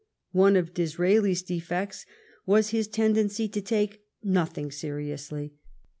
One of Disraeli's defects was his tendency to take nothing seriously.